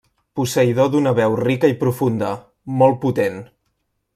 Posseïdor d'una veu rica i profunda, molt potent.